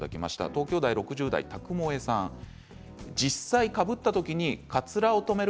東京都６０代の方です。